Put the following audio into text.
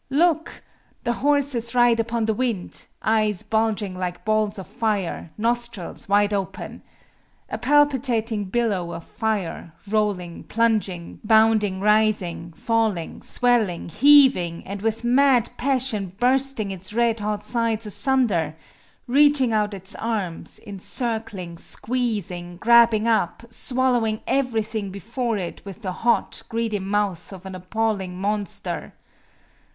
Look! the horses ride upon the wind; eyes bulging like balls of fire; nostrils wide open. A palpitating billow of fire, rolling, plunging, bounding rising, falling, swelling, heaving, and with mad passion bursting its red hot sides asunder, reaching out its arms, encircling, squeezing, grabbing up, swallowing everything before it with the hot, greedy mouth of an appalling monster.